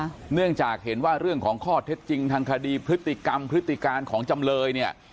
เนื่องจากเห็นว่าเรื่องของข้อเท็จจริงทางคดีพฤติกรรมพฤติการของจำเลยเนี่ย